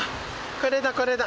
これだこれだ。